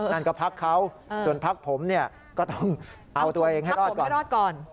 นั่นก็พักเขาส่วนพักผมเนี่ยก็ต้องเอาตัวเองให้รอดก่อนรอดก่อน